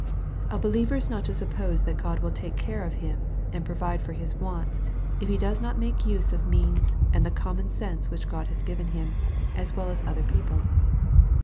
A believer is not to suppose that God will take care of him, and provide for his wants, if he does not make use of means and the common sense which God has given him, as well as other people.